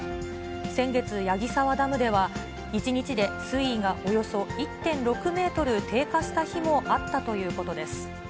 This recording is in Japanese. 先月、矢木沢ダムでは、１日で水位がおよそ１．６メートル低下した日もあったということです。